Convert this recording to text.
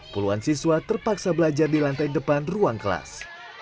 puluhan siswa terpaksa belajar di lantai depan ruang kelas